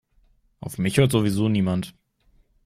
Auf mich hört sowieso niemand.